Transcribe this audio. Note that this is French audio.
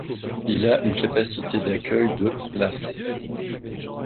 Il a une capacité d’accueil de places.